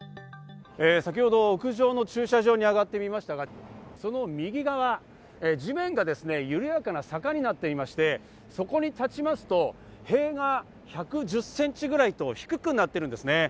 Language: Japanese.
先ほど屋上の駐車場に上がってみましたが、右側、地面が緩やかな坂になっていまして、そこに立ちますと塀が１１０ｃｍくらいと低くなっているんです。